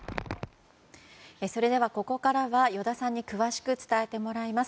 ここからは依田さんに詳しく伝えてもらいます。